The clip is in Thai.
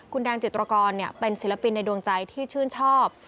คุณแดงจิตรกรเป็นศิลปินในดวงใจที่ชื่นชอบ